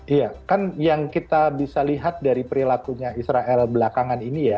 iya kan yang kita bisa lihat dari perilakunya israel belakangan ini ya